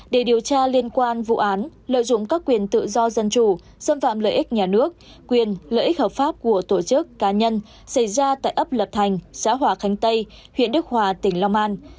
để điều tra liên quan vụ án lợi dụng các quyền tự do dân chủ xâm phạm lợi ích nhà nước quyền lợi ích hợp pháp của tổ chức cá nhân xảy ra tại ấp lập thành xã hòa khánh tây huyện đức hòa tỉnh long an